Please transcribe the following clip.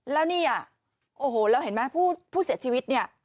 แล้วเนี่ยโอ้โหแล้วเห็นไหมผู้เสียชีวิตเนี่ย